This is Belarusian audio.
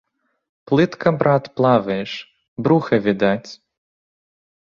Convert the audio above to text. Плытка, брат, плаваеш, бруха відаць!